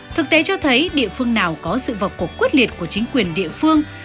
thực tế cho thấy địa phương nào có sự vào cuộc quyết liệt của chính quyền địa phương